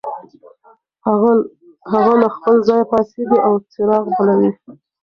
هغه له خپل ځایه پاڅېږي او څراغ بلوي.